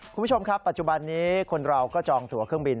คุณผู้ชมครับปัจจุบันนี้คนเราก็จองตัวเครื่องบิน